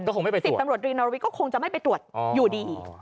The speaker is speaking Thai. ๑๐ตำรวจรีนรวิทย์ก็คงจะไม่ไปตรวจอยู่ดี